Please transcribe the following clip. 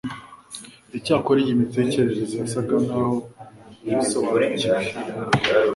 Icyakora iyi mitekerereze yasaga nkaho yabisobanukiwe